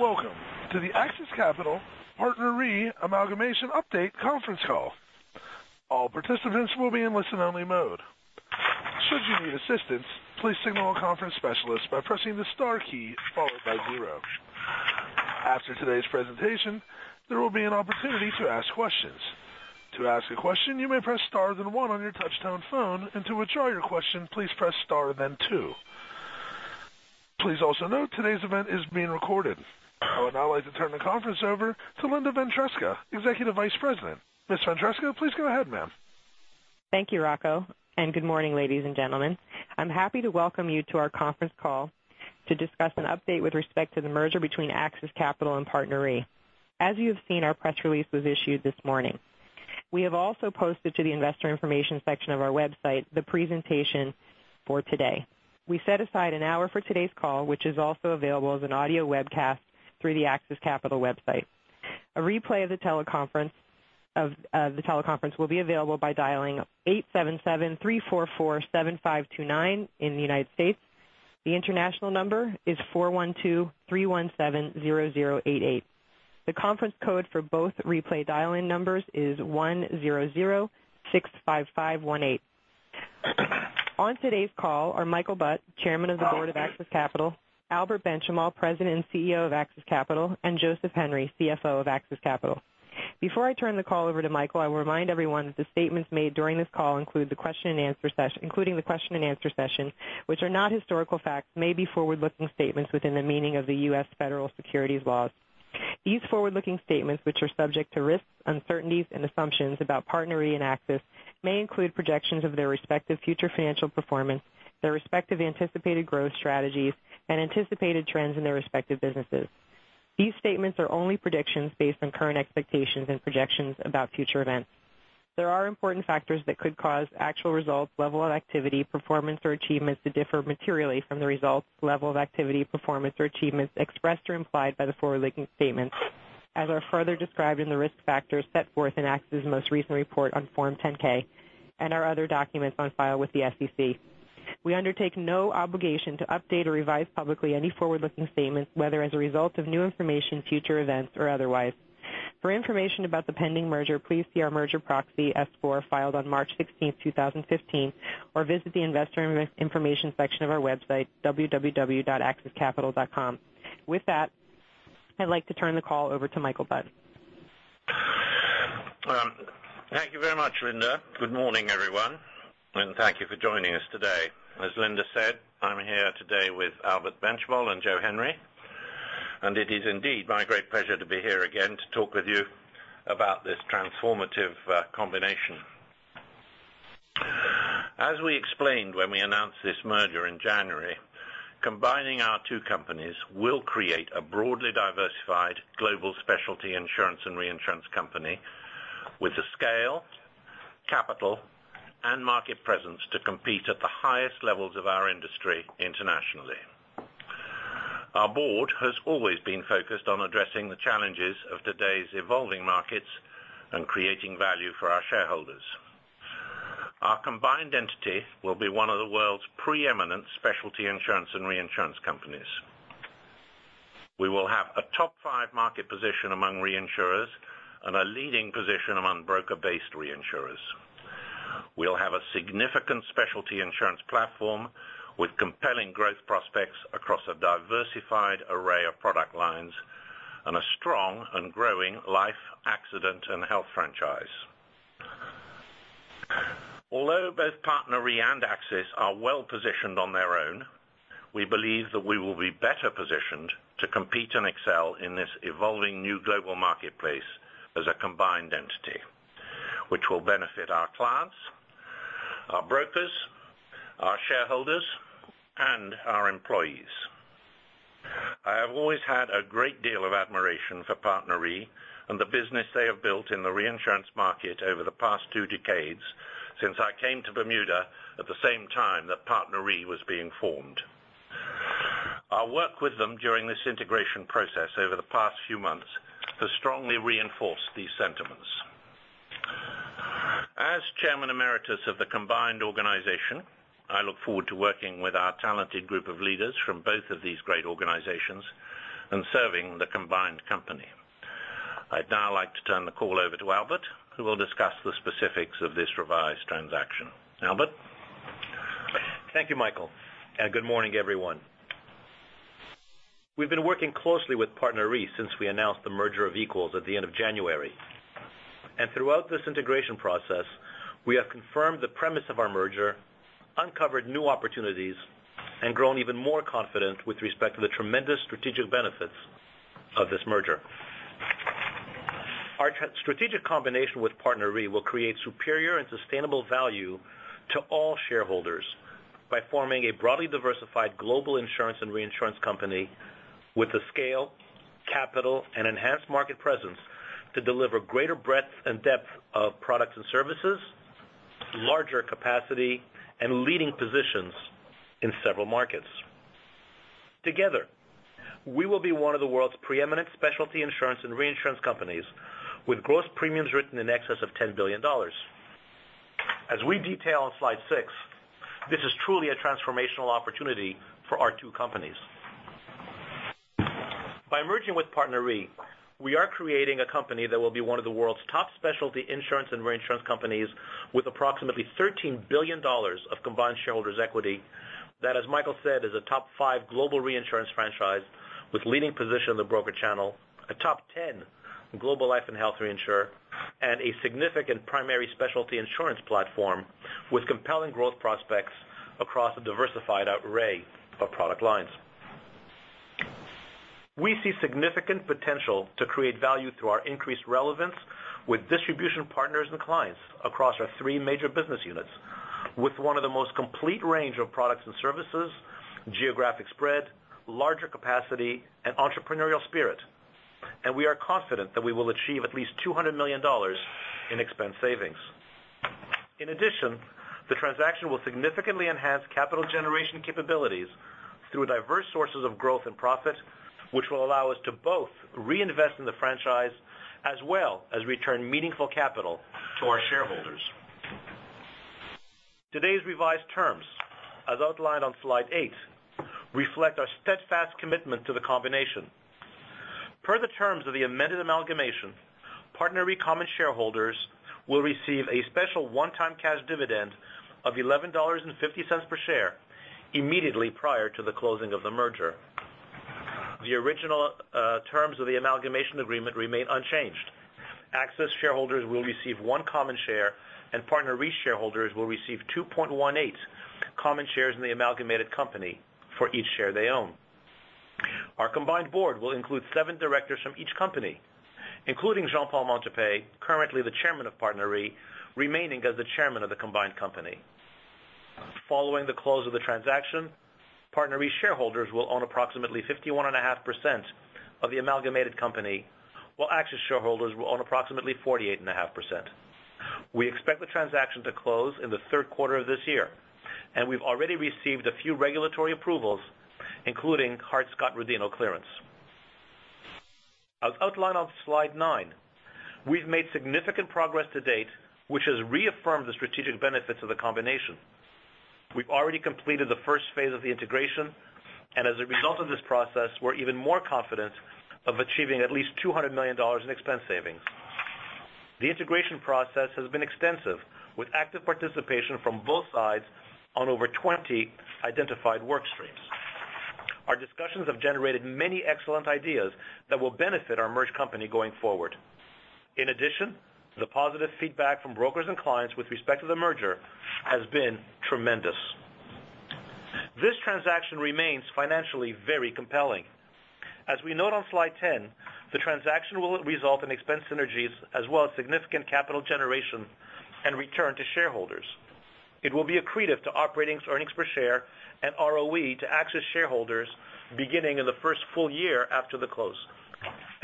Welcome to the AXIS Capital PartnerRe Amalgamation Update Conference Call. All participants will be in listen-only mode. Should you need assistance, please signal a conference specialist by pressing the star key followed by zero. After today's presentation, there will be an opportunity to ask questions. To ask a question, you may press star then one on your touchtone phone, and to withdraw your question, please press star then two. Please also note today's event is being recorded. I would now like to turn the conference over to Linda Ventresca, Executive Vice President. Ms. Ventresca, please go ahead, ma'am. Thank you, Rocco. Good morning, ladies and gentlemen. I'm happy to welcome you to our conference call to discuss an update with respect to the merger between AXIS Capital and PartnerRe. As you have seen, our press release was issued this morning. We have also posted to the investor information section of our website the presentation for today. We set aside an hour for today's call, which is also available as an audio webcast through the AXIS Capital website. A replay of the teleconference will be available by dialing 877-344-7529 in the United States. The international number is 412-317-0088. The conference code for both replay dial-in numbers is 10065518. On today's call are Michael Butt, Chairman of the Board of AXIS Capital, Albert Benchimol, President and CEO of AXIS Capital, Joseph Henry, CFO of AXIS Capital. Before I turn the call over to Michael, I will remind everyone that the statements made during this call, including the question and answer session, which are not historical facts, may be forward-looking statements within the meaning of the U.S. Federal securities laws. These forward-looking statements, which are subject to risks, uncertainties, and assumptions about PartnerRe and AXIS, may include projections of their respective future financial performance, their respective anticipated growth strategies, and anticipated trends in their respective businesses. These statements are only predictions based on current expectations and projections about future events. There are important factors that could cause actual results, level of activity, performance, or achievements to differ materially from the results, level of activity, performance, or achievements expressed or implied by the forward-looking statements, as are further described in the risk factors set forth in AXIS's most recent report on Form 10-K and our other documents on file with the SEC. We undertake no obligation to update or revise publicly any forward-looking statements, whether as a result of new information, future events, or otherwise. For information about the pending merger, please see our merger proxy S-4 filed on March 16th, 2015, or visit the investor information section of our website, www.axiscapital.com. With that, I'd like to turn the call over to Michael Butt. Thank you very much, Linda. Good morning, everyone, and thank you for joining us today. As Linda said, I am here today with Albert Benchimol and Joe Henry, and it is indeed my great pleasure to be here again to talk with you about this transformative combination. As we explained when we announced this merger in January, combining our two companies will create a broadly diversified global specialty insurance and reinsurance company with the scale, capital, and market presence to compete at the highest levels of our industry internationally. Our board has always been focused on addressing the challenges of today's evolving markets and creating value for our shareholders. Our combined entity will be one of the world's preeminent specialty insurance and reinsurance companies. We will have a top five market position among reinsurers and a leading position among broker-based reinsurers. We will have a significant specialty insurance platform with compelling growth prospects across a diversified array of product lines and a strong and growing life, accident, and health franchise. Although both PartnerRe and AXIS are well-positioned on their own, we believe that we will be better positioned to compete and excel in this evolving new global marketplace as a combined entity, which will benefit our clients, our brokers, our shareholders, and our employees. I have always had a great deal of admiration for PartnerRe and the business they have built in the reinsurance market over the past two decades since I came to Bermuda at the same time that PartnerRe was being formed. Our work with them during this integration process over the past few months has strongly reinforced these sentiments. As Chairman Emeritus of the combined organization, I look forward to working with our talented group of leaders from both of these great organizations and serving the combined company. I would now like to turn the call over to Albert, who will discuss the specifics of this revised transaction. Albert? Thank you, Michael, and good morning, everyone. We have been working closely with PartnerRe since we announced the merger of equals at the end of January. Throughout this integration process, we have confirmed the premise of our merger, uncovered new opportunities, and grown even more confident with respect to the tremendous strategic benefits of this merger. Our strategic combination with PartnerRe will create superior and sustainable value to all shareholders by forming a broadly diversified global insurance and reinsurance company with the scale, capital, and enhanced market presence to deliver greater breadth and depth of products and services, larger capacity, and leading positions in several markets. Together, we will be one of the world's preeminent specialty insurance and reinsurance companies with gross premiums written in excess of $10 billion. As we detail on slide six, this is truly a transformational opportunity for our two companies. By merging with PartnerRe, we are creating a company that will be one of the world's top specialty insurance and reinsurance companies, with approximately $13 billion of combined shareholders' equity. That, as Michael said, is a top five global reinsurance franchise with leading position in the broker channel, a top 10 global life & health reinsurer, and a significant primary specialty insurance platform with compelling growth prospects across a diversified array of product lines. We see significant potential to create value through our increased relevance with distribution partners and clients across our three major business units, with one of the most complete range of products and services, geographic spread, larger capacity, and entrepreneurial spirit. We are confident that we will achieve at least $200 million in expense savings. In addition, the transaction will significantly enhance capital generation capabilities through diverse sources of growth and profit, which will allow us to both reinvest in the franchise as well as return meaningful capital to our shareholders. Today's revised terms, as outlined on slide eight, reflect our steadfast commitment to the combination. Per the terms of the amended amalgamation, PartnerRe common shareholders will receive a special one-time cash dividend of $11.50 per share immediately prior to the closing of the merger. The original terms of the amalgamation agreement remain unchanged. AXIS shareholders will receive one common share, and PartnerRe shareholders will receive 2.18 common shares in the amalgamated company for each share they own. Our combined board will include seven directors from each company, including Jean-Paul Montupet, currently the chairman of PartnerRe, remaining as the chairman of the combined company. Following the close of the transaction, PartnerRe shareholders will own approximately 51.5% of the amalgamated company, while AXIS shareholders will own approximately 48.5%. We expect the transaction to close in the third quarter of this year, and we've already received a few regulatory approvals, including Hart-Scott-Rodino clearance. As outlined on slide nine, we've made significant progress to date, which has reaffirmed the strategic benefits of the combination. We've already completed the first phase of the integration, and as a result of this process, we're even more confident of achieving at least $200 million in expense savings. The integration process has been extensive, with active participation from both sides on over 20 identified work streams. Our discussions have generated many excellent ideas that will benefit our merged company going forward. In addition, the positive feedback from brokers and clients with respect to the merger has been tremendous. This transaction remains financially very compelling. As we note on slide 10, the transaction will result in expense synergies as well as significant capital generation and return to shareholders. It will be accretive to operating earnings per share and ROE to AXIS shareholders beginning in the first full year after the close.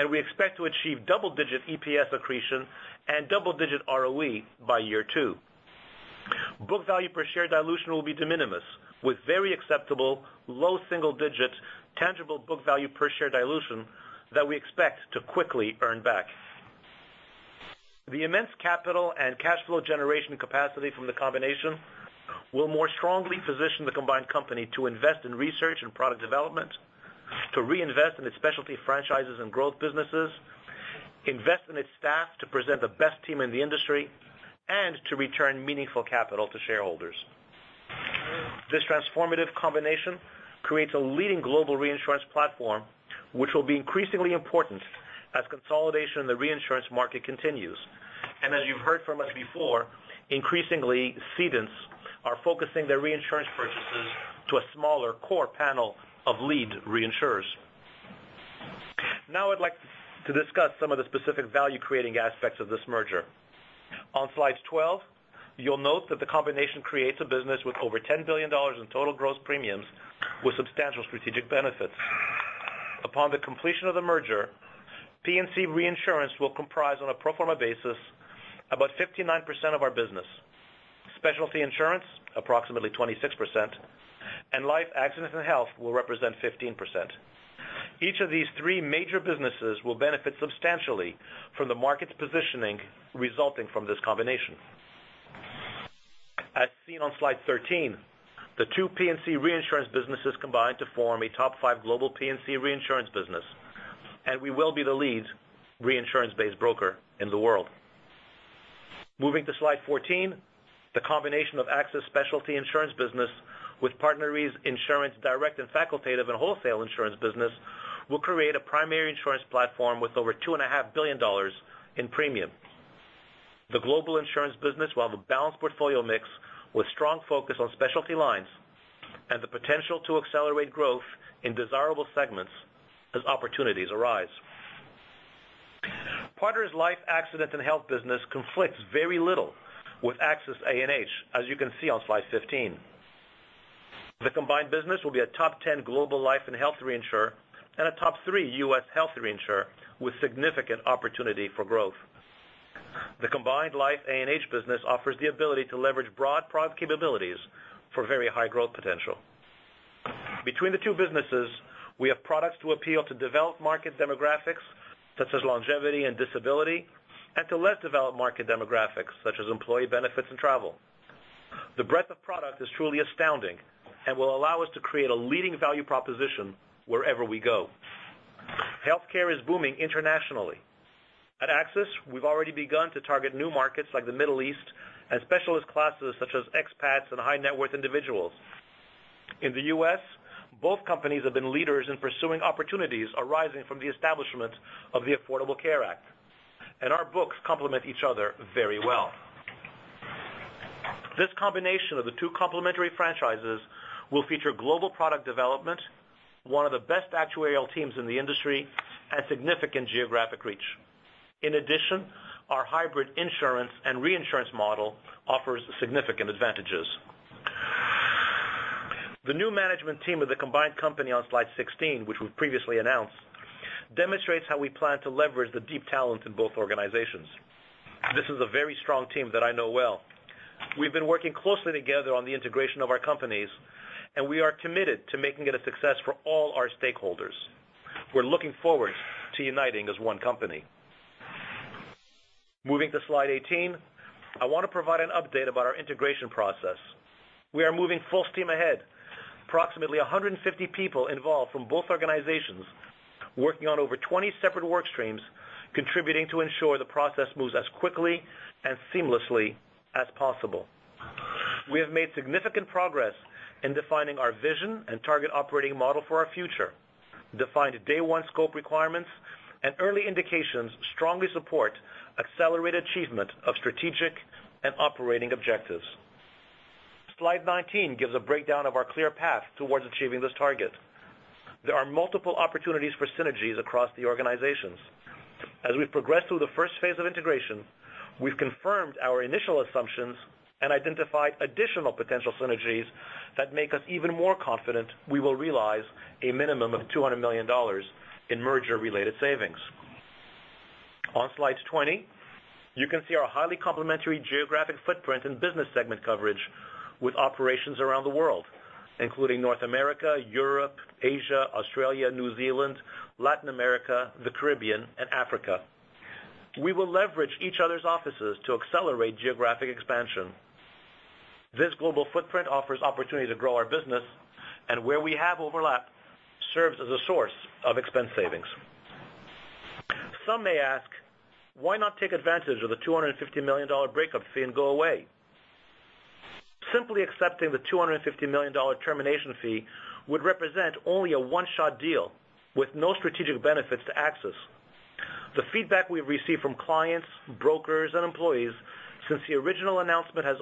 We expect to achieve double-digit EPS accretion and double-digit ROE by year two. Book value per share dilution will be de minimis, with very acceptable low single-digit tangible book value per share dilution that we expect to quickly earn back. The immense capital and cash flow generation capacity from the combination will more strongly position the combined company to invest in research and product development, to reinvest in its specialty franchises and growth businesses, invest in its staff to present the best team in the industry, and to return meaningful capital to shareholders. This transformative combination creates a leading global reinsurance platform, which will be increasingly important as consolidation in the reinsurance market continues. As you've heard from us before, increasingly, cedents are focusing their reinsurance purchases to a smaller core panel of lead reinsurers. Now I'd like to discuss some of the specific value-creating aspects of this merger. On slide 12, you'll note that the combination creates a business with over $10 billion in total gross premiums with substantial strategic benefits. Upon the completion of the merger, P&C reinsurance will comprise on a pro forma basis about 59% of our business. Specialty insurance, approximately 26%, and life, accident, and health will represent 15%. Each of these three major businesses will benefit substantially from the market's positioning resulting from this combination. As seen on slide 13, the two P&C reinsurance businesses combine to form a top five global P&C reinsurance business, and we will be the lead reinsurance-based broker in the world. Moving to slide 14, the combination of AXIS specialty insurance business with PartnerRe's insurance direct and facultative and wholesale insurance business will create a primary insurance platform with over $2.5 billion in premium. The global insurance business will have a balanced portfolio mix with strong focus on specialty lines and the potential to accelerate growth in desirable segments as opportunities arise. PartnerRe's life, accident, and health business conflicts very little with AXIS A&H, as you can see on slide 15. The combined business will be a top 10 global life and health reinsurer and a top three U.S. health reinsurer with significant opportunity for growth. The combined life A&H business offers the ability to leverage broad product capabilities for very high growth potential. Between the two businesses, we have products to appeal to developed market demographics, such as longevity and disability, and to less developed market demographics, such as employee benefits and travel. The breadth of product is truly astounding and will allow us to create a leading value proposition wherever we go. Healthcare is booming internationally. At AXIS, we've already begun to target new markets like the Middle East and specialist classes such as expats and high net worth individuals. In the U.S., both companies have been leaders in pursuing opportunities arising from the establishment of the Affordable Care Act, and our books complement each other very well. This combination of the two complementary franchises will feature global product development, one of the best actuarial teams in the industry, and significant geographic reach. In addition, our hybrid insurance and reinsurance model offers significant advantages. The new management team of the combined company on slide 16, which we've previously announced, demonstrates how we plan to leverage the deep talent in both organizations. This is a very strong team that I know well. We've been working closely together on the integration of our companies, and we are committed to making it a success for all our stakeholders. We're looking forward to uniting as one company. Moving to slide 18, I want to provide an update about our integration process. We are moving full steam ahead. Approximately 150 people involved from both organizations working on over 20 separate work streams, contributing to ensure the process moves as quickly and seamlessly as possible. We have made significant progress in defining our vision and target operating model for our future, defined day one scope requirements, and early indications strongly support accelerated achievement of strategic and operating objectives. Slide 19 gives a breakdown of our clear path towards achieving this target. There are multiple opportunities for synergies across the organizations. As we progress through the first phase of integration, we've confirmed our initial assumptions and identified additional potential synergies that make us even more confident we will realize a minimum of $200 million in merger-related savings. On slide 20, you can see our highly complementary geographic footprint and business segment coverage with operations around the world, including North America, Europe, Asia, Australia, New Zealand, Latin America, the Caribbean, and Africa. We will leverage each other's offices to accelerate geographic expansion. This global footprint offers opportunity to grow our business, and where we have overlap serves as a source of expense savings. Some may ask, why not take advantage of the $250 million breakup fee and go away? Simply accepting the $250 million termination fee would represent only a one-shot deal with no strategic benefits to AXIS. The feedback we've received from clients, brokers, and employees since the original announcement has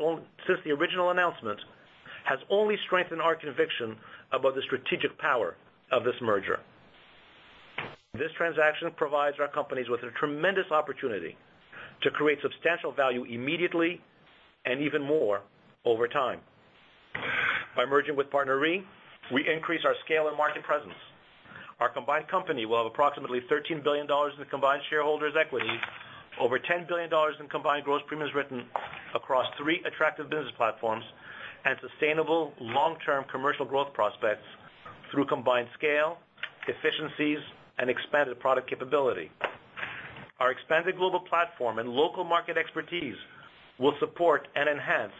only strengthened our conviction about the strategic power of this merger. This transaction provides our companies with a tremendous opportunity to create substantial value immediately and even more over time. By merging with PartnerRe, we increase our scale and market presence. Our combined company will have approximately $13 billion in combined shareholders' equity, over $10 billion in combined gross premiums written across three attractive business platforms and sustainable long-term commercial growth prospects through combined scale, efficiencies, and expanded product capability. Our expanded global platform and local market expertise will support and enhance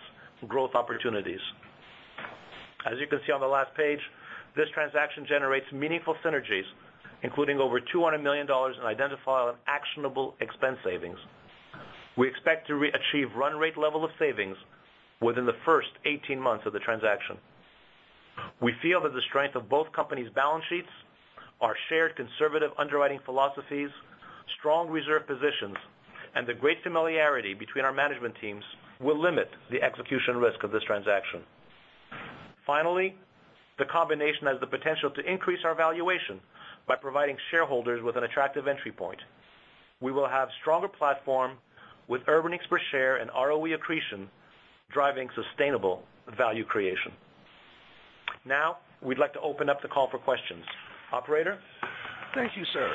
growth opportunities. As you can see on the last page, this transaction generates meaningful synergies, including over $200 million in identifiable and actionable expense savings. We expect to achieve run rate level of savings within the first 18 months of the transaction. We feel that the strength of both companies' balance sheets, our shared conservative underwriting philosophies, strong reserve positions, and the great familiarity between our management teams will limit the execution risk of this transaction. Finally, the combination has the potential to increase our valuation by providing shareholders with an attractive entry point. We will have stronger platform with earnings per share and ROE accretion driving sustainable value creation. Now, we'd like to open up the call for questions. Operator? Thank you, sir.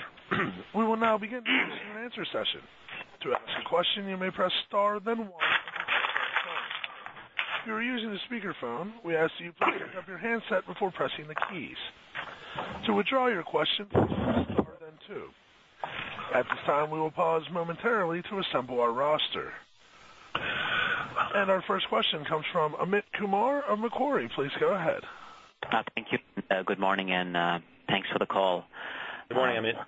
We will now begin the question and answer session. To ask a question, you may press star then one on your telephone. If you are using a speakerphone, we ask that you please pick up your handset before pressing the keys. To withdraw your question, press star then two. At this time, we will pause momentarily to assemble our roster. Our first question comes from Amit Kumar of Macquarie. Please go ahead. Thank you. Good morning, thanks for the call. Good morning, Amit.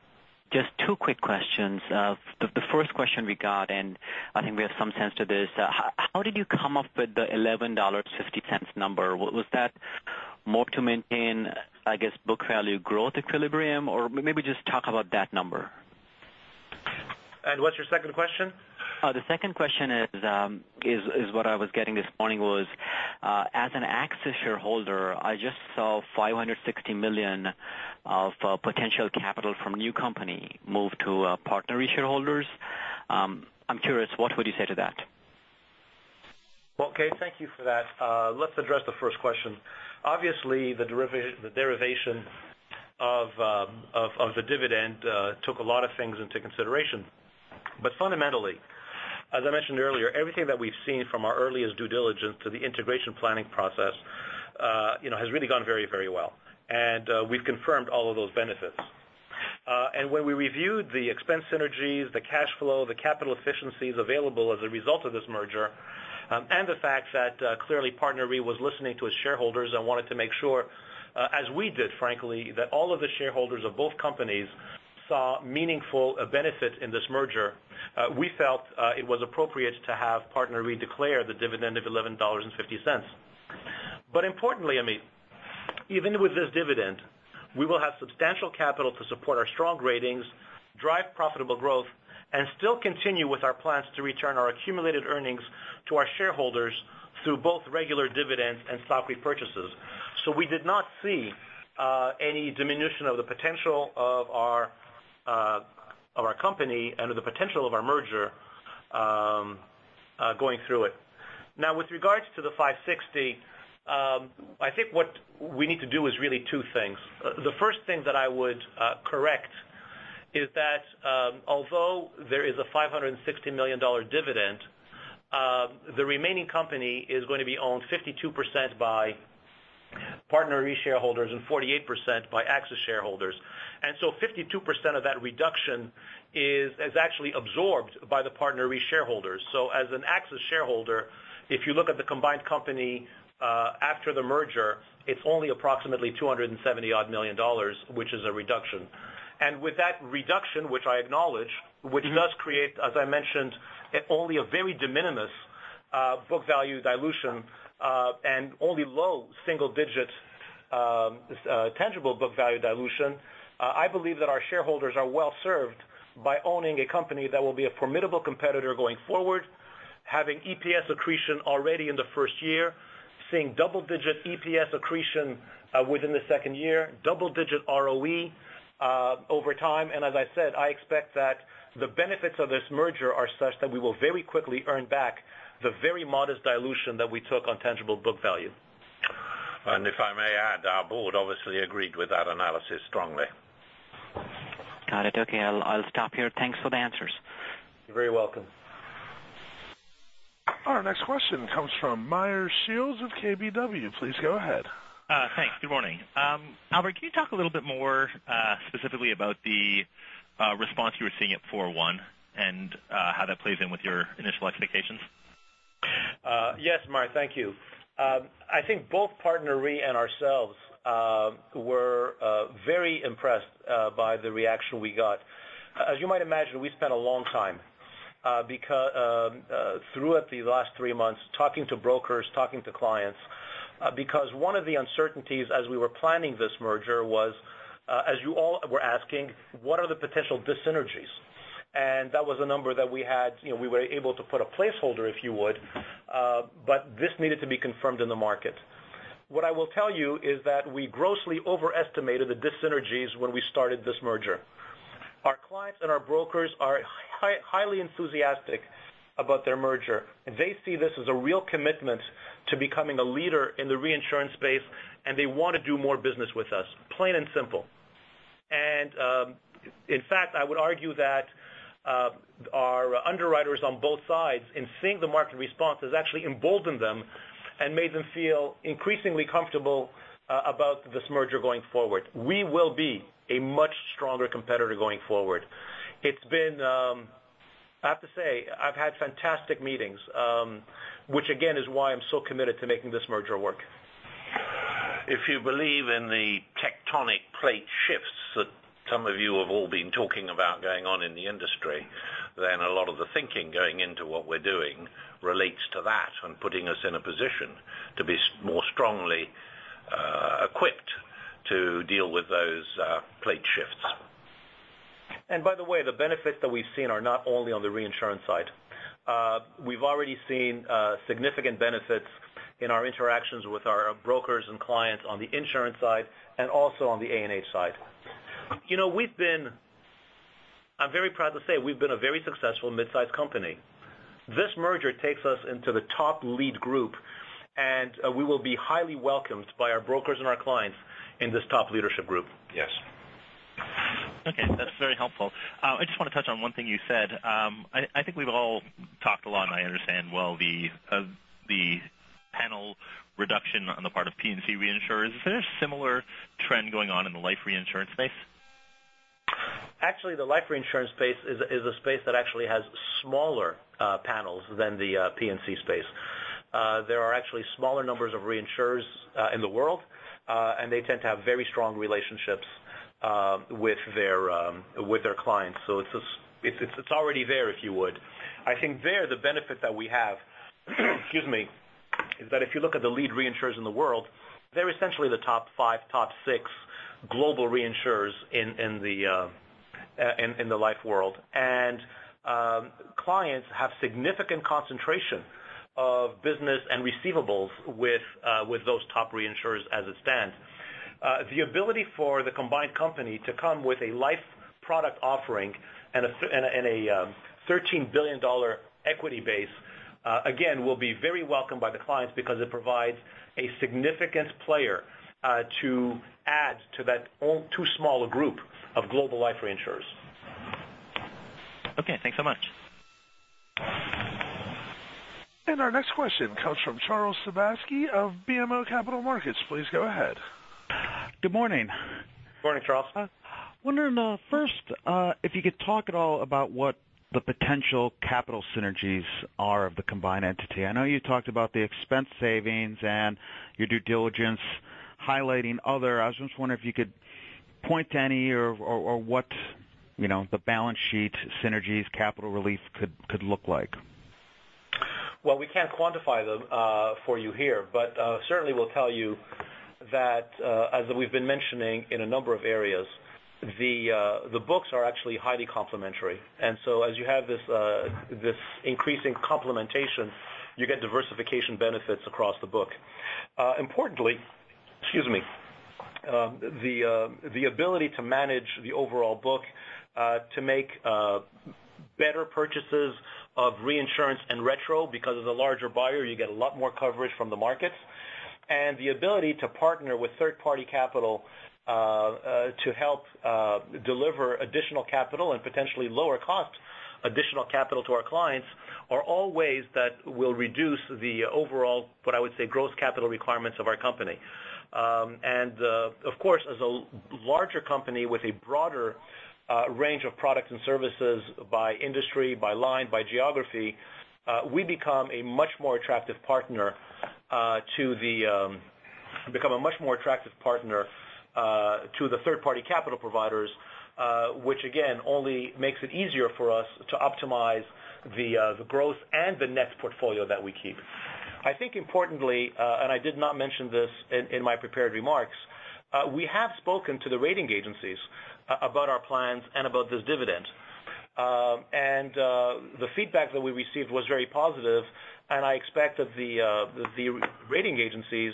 Just two quick questions. The first question we got, I think we have some sense to this, how did you come up with the $11.50 number? Was that more to maintain, I guess, book value growth equilibrium? Maybe just talk about that number. What's your second question? The second question is what I was getting this morning was, as an AXIS shareholder, I just saw $560 million of potential capital from new company move to PartnerRe shareholders. I'm curious, what would you say to that? Well, okay, thank you for that. Let's address the first question. Obviously, the derivation of the dividend took a lot of things into consideration. Fundamentally, as I mentioned earlier, everything that we've seen from our earliest due diligence to the integration planning process has really gone very well. We've confirmed all of those benefits. When we reviewed the expense synergies, the cash flow, the capital efficiencies available as a result of this merger, and the fact that clearly PartnerRe was listening to its shareholders and wanted to make sure, as we did, frankly, that all of the shareholders of both companies saw meaningful benefit in this merger, we felt it was appropriate to have PartnerRe declare the dividend of $11.50. Importantly, Amit, even with this dividend, we will have substantial capital to support our strong ratings, drive profitable growth, and still continue with our plans to return our accumulated earnings to our shareholders through both regular dividends and stock repurchases. We did not see any diminution of the potential of our company and of the potential of our merger going through it. Now, with regards to the $560, I think what we need to do is really two things. The first thing that I would correct is that although there is a $560 million dividend, the remaining company is going to be owned 52% by PartnerRe shareholders and 48% by AXIS shareholders. 52% of that reduction is actually absorbed by the PartnerRe shareholders. As an AXIS shareholder, if you look at the combined company after the merger, it's only approximately $270 odd million, which is a reduction. With that reduction, which I acknowledge, which does create, as I mentioned, only a very de minimis book value dilution and only low single-digit tangible book value dilution. I believe that our shareholders are well-served by owning a company that will be a formidable competitor going forward, having EPS accretion already in the first year, seeing double-digit EPS accretion within the second year, double-digit ROE over time, and as I said, I expect that the benefits of this merger are such that we will very quickly earn back the very modest dilution that we took on tangible book value. If I may add, our board obviously agreed with that analysis strongly. Got it. Okay, I'll stop here. Thanks for the answers. You're very welcome. Our next question comes from Meyer Shields with KBW. Please go ahead. Thanks. Good morning. Albert, can you talk a little bit more specifically about the response you were seeing at 4/1 and how that plays in with your initial expectations? Yes, Meyer, thank you. I think both PartnerRe and ourselves were very impressed by the reaction we got. As you might imagine, we spent a long time throughout the last three months talking to brokers, talking to clients because one of the uncertainties as we were planning this merger was as you all were asking, what are the potential dyssynergies? That was a number that we were able to put a placeholder if you would but this needed to be confirmed in the market. What I will tell you is that we grossly overestimated the dyssynergies when we started this merger. Our clients and our brokers are highly enthusiastic about their merger. They see this as a real commitment to becoming a leader in the reinsurance space, they want to do more business with us, plain and simple. In fact, I would argue that our underwriters on both sides in seeing the market response has actually emboldened them and made them feel increasingly comfortable about this merger going forward. We will be a much stronger competitor going forward. I have to say, I've had fantastic meetings, which again, is why I'm so committed to making this merger work. If you believe in the tectonic plate shifts that some of you have all been talking about going on in the industry, a lot of the thinking going into what we're doing relates to that and putting us in a position to be more strongly equipped to deal with those plate shifts. By the way, the benefits that we've seen are not only on the reinsurance side. We've already seen significant benefits in our interactions with our brokers and clients on the insurance side and also on the A&H side. I'm very proud to say, we've been a very successful mid-size company. This merger takes us into the top lead group, and we will be highly welcomed by our brokers and our clients in this top leadership group. Yes. Okay. That's very helpful. I just want to touch on one thing you said. I think we've all talked a lot and I understand well the panel reduction on the part of P&C reinsurers. Is there a similar trend going on in the life reinsurance space? Actually, the life reinsurance space is a space that actually has smaller panels than the P&C space. There are actually smaller numbers of reinsurers in the world, and they tend to have very strong relationships with their clients. It's already there, if you would. I think there, the benefit that we have is that if you look at the lead reinsurers in the world, they're essentially the top five, top six global reinsurers in the life world. Clients have significant concentration of business and receivables with those top reinsurers as it stands. The ability for the combined company to come with a life-product offering and a $13 billion equity base, again, will be very welcome by the clients because it provides a significant player to add to that too small a group of global life reinsurers. Okay, thanks so much. Our next question comes from Charles Sebaski of BMO Capital Markets. Please go ahead. Good morning. Morning, Charles. I am wondering first, if you could talk at all about what the potential capital synergies are of the combined entity. I know you talked about the expense savings and your due diligence highlighting other. I was just wondering if you could point to any or what the balance sheet synergies capital relief could look like. Well, we can't quantify them for you here, but certainly we'll tell you that as we've been mentioning in a number of areas, the books are actually highly complementary, so as you have this increasing complementation, you get diversification benefits across the book. Importantly, the ability to manage the overall book to make better purchases of reinsurance and retrocession, because as a larger buyer, you get a lot more coverage from the markets. The ability to partner with third-party capital to help deliver additional capital and potentially lower cost additional capital to our clients are all ways that will reduce the overall, what I would say, gross capital requirements of our company. Of course, as a larger company with a broader range of products and services by industry, by line, by geography, we become a much more attractive partner to the third-party capital providers, which again only makes it easier for us to optimize the growth and the net portfolio that we keep. I think importantly, and I did not mention this in my prepared remarks, we have spoken to the rating agencies about our plans and about this dividend. The feedback that we received was very positive, and I expect that the rating agencies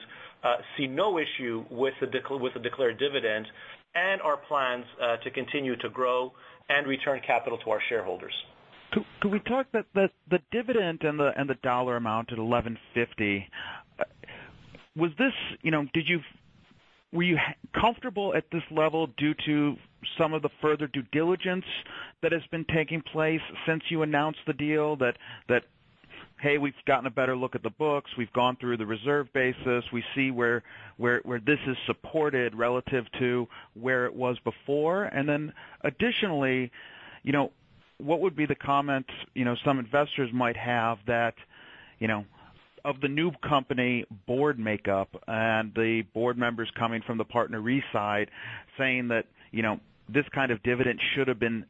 see no issue with the declared dividend and our plans to continue to grow and return capital to our shareholders. Could we talk the dividend and the dollar amount at $11.50? Were you comfortable at this level due to some of the further due diligence that has been taking place since you announced the deal that, hey, we've gotten a better look at the books, we've gone through the reserve basis, we see where this is supported relative to where it was before? Then additionally, what would be the comments some investors might have that of the new company board makeup and the board members coming from the PartnerRe side saying that this kind of dividend should have been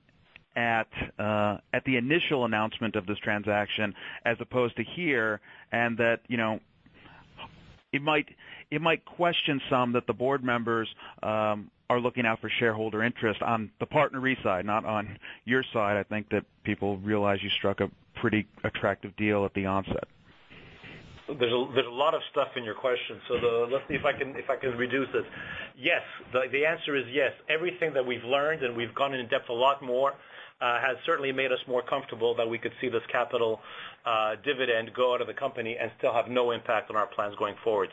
at the initial announcement of this transaction as opposed to here, and that it might question some that the board members are looking out for shareholder interest on the PartnerRe side, not on your side. I think that people realize you struck a pretty attractive deal at the onset. There's a lot of stuff in your question, let's see if I can reduce it. Yes. The answer is yes. Everything that we've learned, and we've gone in depth a lot more has certainly made us more comfortable that we could see this capital dividend go out of the company and still have no impact on our plans going forward.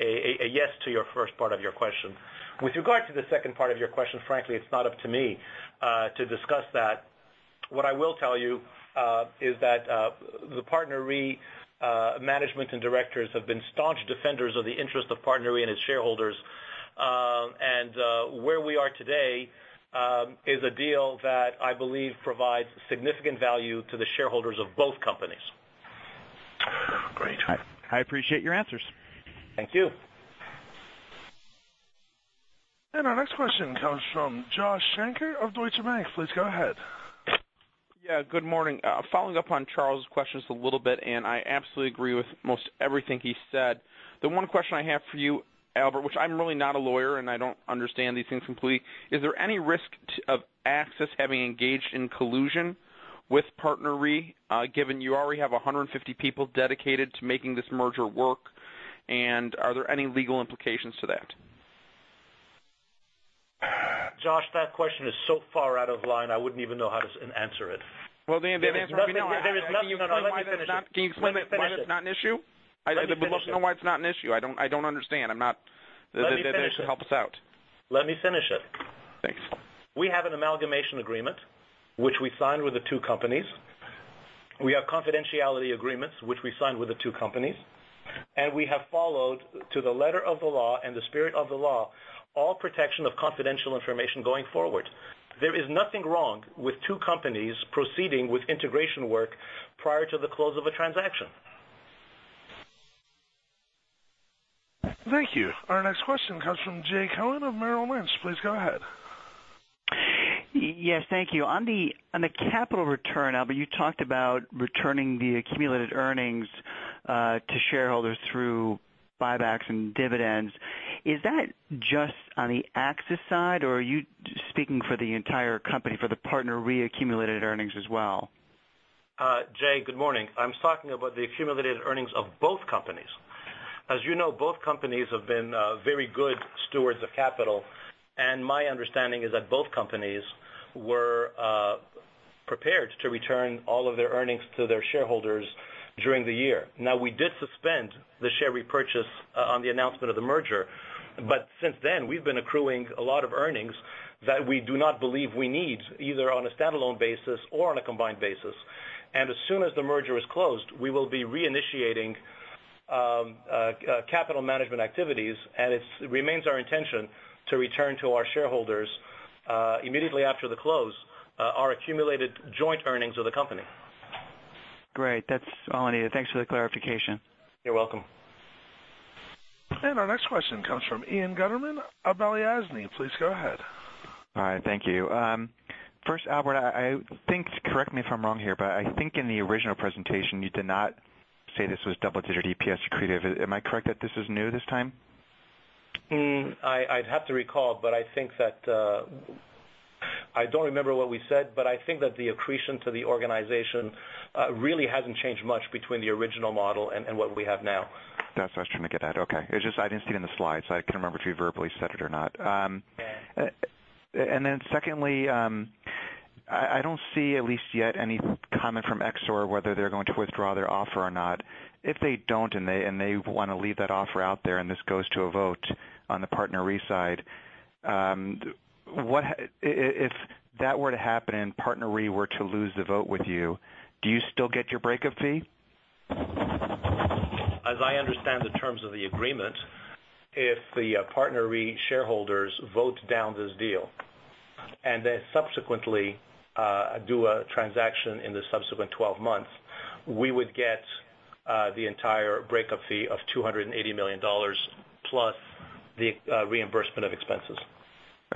A yes to your first part of your question. With regard to the second part of your question, frankly, it's not up to me to discuss that. What I will tell you is that the PartnerRe management and directors have been staunch defenders of the interest of PartnerRe and its shareholders. Where we are today is a deal that I believe provides significant value to the shareholders of both companies. Great. I appreciate your answers. Thank you. Our next question comes from Josh Shanker of Deutsche Bank. Please go ahead. Yeah, good morning. Following up on Charles' questions a little bit, I absolutely agree with most everything he said. The one question I have for you, Albert, which I'm really not a lawyer, I don't understand these things completely, is there any risk of AXIS having engaged in collusion with PartnerRe given you already have 150 people dedicated to making this merger work? Are there any legal implications to that? Josh, that question is so far out of line, I wouldn't even know how to answer it. Well, answer it if you know. There is nothing wrong. Let me finish it. Can you explain why that's not an issue? I would love to know why it's not an issue. I don't understand. Help us out. Let me finish it. Thanks. We have an amalgamation agreement, which we signed with the two companies. We have confidentiality agreements, which we signed with the two companies, and we have followed to the letter of the law and the spirit of the law, all protection of confidential information going forward. There is nothing wrong with two companies proceeding with integration work prior to the close of a transaction. Thank you. Our next question comes from Jay Cohen of Merrill Lynch. Please go ahead. Yes, thank you. On the capital return, Albert, you talked about returning the accumulated earnings to shareholders through buybacks and dividends. Is that just on the AXIS side, or are you speaking for the entire company for the PartnerRe accumulated earnings as well? Jay, good morning. I'm talking about the accumulated earnings of both companies. As you know, both companies have been very good stewards of capital. My understanding is that both companies were prepared to return all of their earnings to their shareholders during the year. Now, we did suspend the share repurchase on the announcement of the merger. Since then, we've been accruing a lot of earnings that we do not believe we need, either on a standalone basis or on a combined basis. As soon as the merger is closed, we will be reinitiating capital management activities, and it remains our intention to return to our shareholders immediately after the close our accumulated joint earnings of the company. Great. That's all I needed. Thanks for the clarification. You're welcome. Our next question comes from Ian Guttman of Balyasny. Please go ahead. All right. Thank you. First, Albert, correct me if I'm wrong here, but I think in the original presentation, you did not say this was double-digit EPS accretive. Am I correct that this is new this time? I'd have to recall. I don't remember what we said, but I think that the accretion to the organization really hasn't changed much between the original model and what we have now. That's what I was trying to get at. Okay. It's just I didn't see it in the slides. I couldn't remember if you verbally said it or not. Secondly, I don't see, at least yet, any comment from EXOR whether they're going to withdraw their offer or not. If they don't, and they want to leave that offer out there, and this goes to a vote on the PartnerRe side, if that were to happen and PartnerRe were to lose the vote with you, do you still get your breakup fee? As I understand the terms of the agreement, if the PartnerRe shareholders vote down this deal and then subsequently do a transaction in the subsequent 12 months, we would get the entire breakup fee of $280 million plus the reimbursement of expenses.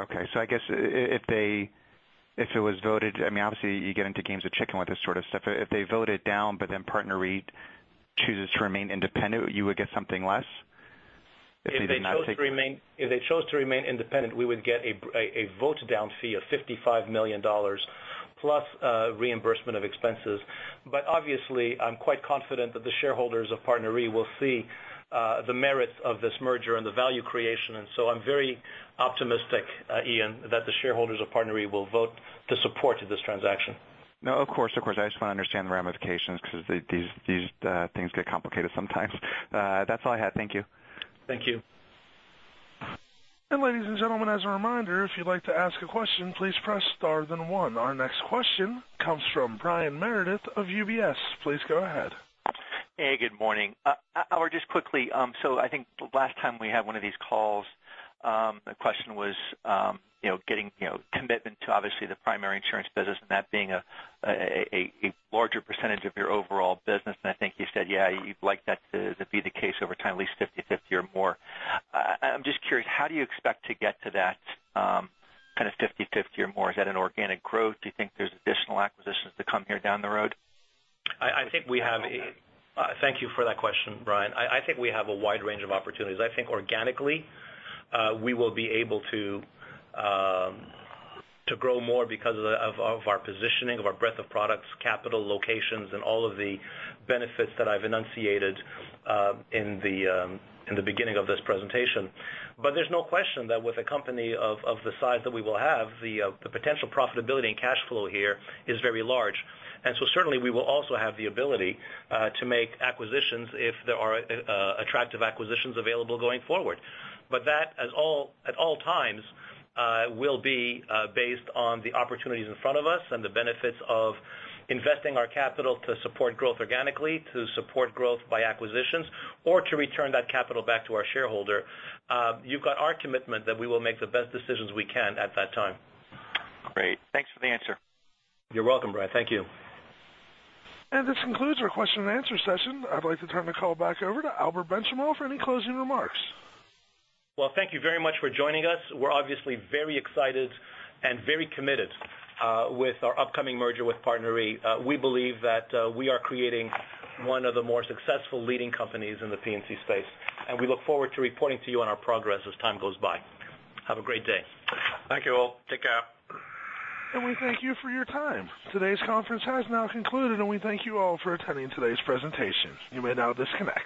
Okay. I guess if it was voted, obviously you get into games of chicken with this sort of stuff. If they vote it down, PartnerRe chooses to remain independent, you would get something less? If they chose to remain independent, we would get a vote down fee of $55 million plus reimbursement of expenses. Obviously, I'm quite confident that the shareholders of PartnerRe will see the merits of this merger and the value creation. I'm very optimistic, Ian, that the shareholders of PartnerRe will vote to support this transaction. No, of course. I just want to understand the ramifications because these things get complicated sometimes. That's all I had. Thank you. Thank you. ladies and gentlemen, as a reminder, if you'd like to ask a question, please press star then one. Our next question comes from Brian Meredith of UBS. Please go ahead. Hey, good morning. Albert, just quickly. I think the last time we had one of these calls, the question was, getting commitment to obviously the primary insurance business and that being a larger percentage of your overall business. I think you said, yeah, you'd like that to be the case over time, at least 50/50 or more. I'm just curious, how do you expect to get to that kind of 50/50 or more? Is that an organic growth? Do you think there's additional acquisitions to come here down the road? Thank you for that question, Brian. I think we have a wide range of opportunities. I think organically, we will be able to grow more because of our positioning, of our breadth of products, capital, locations, and all of the benefits that I've enunciated in the beginning of this presentation. There's no question that with a company of the size that we will have, the potential profitability and cash flow here is very large. Certainly we will also have the ability to make acquisitions if there are attractive acquisitions available going forward. That, at all times, will be based on the opportunities in front of us and the benefits of investing our capital to support growth organically, to support growth by acquisitions, or to return that capital back to our shareholder. You've got our commitment that we will make the best decisions we can at that time. Great. Thanks for the answer. You're welcome, Brian. Thank you. This concludes our question and answer session. I'd like to turn the call back over to Albert Benchimol for any closing remarks. Well, thank you very much for joining us. We're obviously very excited and very committed with our upcoming merger with PartnerRe. We believe that we are creating one of the more successful leading companies in the P&C space, and we look forward to reporting to you on our progress as time goes by. Have a great day. Thank you all. Take care. We thank you for your time. Today's conference has now concluded, and we thank you all for attending today's presentation. You may now disconnect.